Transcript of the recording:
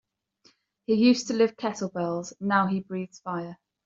He used to lift kettlebells now he breathes fire.